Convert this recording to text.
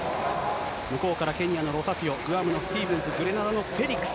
向こうからケニアのロサフィオ、グアムのスティーブンズ、グレナダのフェリックス。